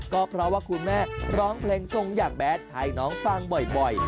ก็เพราะว่าคุณแม่ร้องเพลงทรงอยากแบทให้น้องฟังบ่อย